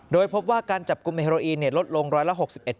โดยพบว่าการจับกลุ่มเฮโรอีนลดลงร้อยละ๖๑